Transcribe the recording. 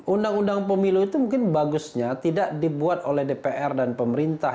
undang undang pemilu itu mungkin bagusnya tidak dibuat oleh dpr dan pemerintah